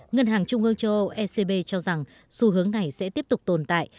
ngân hàng trung ương châu âu ecb cho rằng xu hướng này sẽ tiếp tục tồn tại